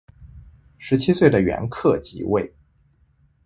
十七岁的元恪即位。